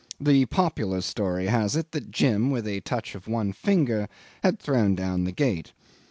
The popular story has it that Jim with a touch of one finger had thrown down the gate.